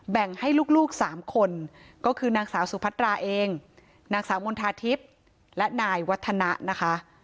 แบ่งให้ลูกสามคนก็คือนางสาวสุพัตราเองนางสาวมณฑาทิพย์และนายวัฒนะนะคะ